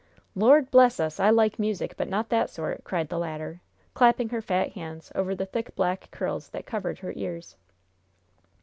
"Lord bless us! I like music, but not that sort!" cried the latter, clapping her fat hands over the thick, black curls that covered her ears.